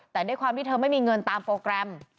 แต่ด้วยความที่เธอไม่มีเงินตามโปรแกรม